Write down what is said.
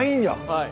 はい。